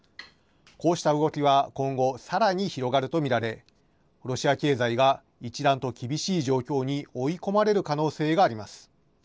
こうした動きは今後、さらに広がると見られ、ロシア経済が一段と厳しい状況に追い込まれる可能性があります。